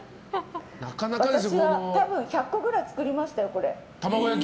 私は多分１００個ぐらい作りましたよ。